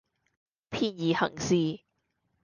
便宜行事